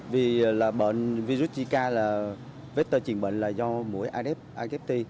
vì bệnh virus zika là vector triển bệnh do mũi adepti